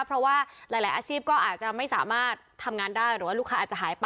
เพราะว่าหลายอาชีพก็อาจจะไม่สามารถทำงานได้หรือว่าลูกค้าอาจจะหายไป